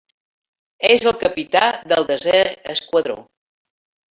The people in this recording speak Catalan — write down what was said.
És el capità del desè esquadró.